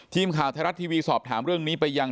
ทีมข่าวไทยรัฐทีวีสอบถามเรื่องนี้ไปยัง